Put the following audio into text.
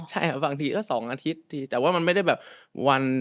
ใช่บางทีก็๒อาทิตย์ทีแต่ว่ามันไม่ได้แบบวัน